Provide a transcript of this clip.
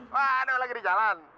waduh lagi di jalan